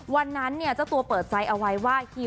วันนั้นจะตัวเปิดใจเอาไว้ว่า